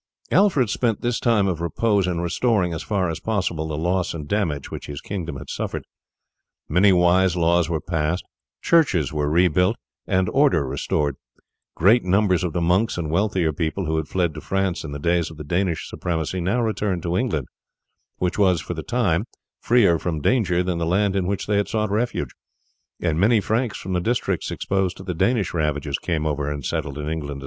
Alfred spent this time of repose in restoring as far as possible the loss and damage which his kingdom had suffered. Many wise laws were passed, churches were rebuilt, and order restored; great numbers of the monks and wealthier people who had fled to France in the days of the Danish supremacy now returned to England, which was for the time freer from danger than the land in which they had sought refuge; and many Franks from the districts exposed to the Danish ravages came over and settled in England.